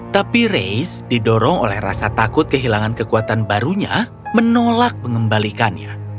tapi race didorong oleh rasa takut kehilangan kekuatan barunya menolak mengembalikannya